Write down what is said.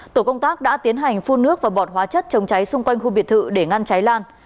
tổ công tác đã tiến hành phun nước và bọt hóa chất chống cháy xung quanh khu biệt thự để ngăn cháy lan